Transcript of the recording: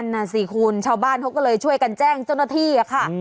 นั่นน่ะสิคุณชาวบ้านเขาก็เลยช่วยกันแจ้งเจ้าหน้าที่ค่ะ